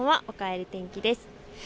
おかえり天気です。